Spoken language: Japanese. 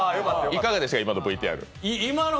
いかがでしたか、今のＶＴＲ。